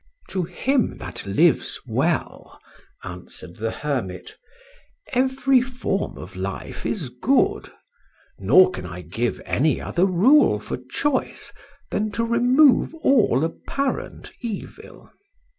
"To him that lives well," answered the hermit, "every form of life is good; nor can I give any other rule for choice than to remove all apparent evil."